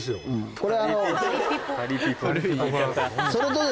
これ。